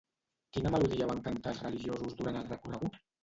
Quina melodia van cantar els religiosos durant el recorregut?